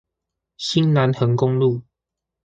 新南橫公路